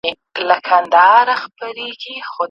موږ چي د پردیو په ګولیو خپل ټټر ولو